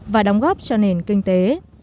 và đóng góp cho nền kinh tế